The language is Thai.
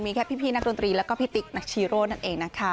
มีแค่พี่นักดนตรีแล้วก็พี่ติ๊กนักชีโร่นั่นเองนะคะ